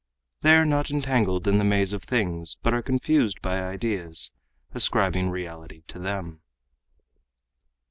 They are not entangled in the maze of things, but are confused by ideas, ascribing reality to them.